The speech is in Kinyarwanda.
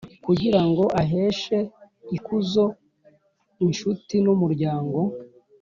Kugira ngo aheshe ikuzo inshuti n’umuryango